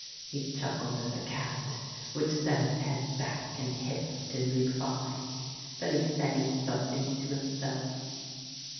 " He chuckled at the cat, which set its head back and hissed in reply. Then he sang something to himself.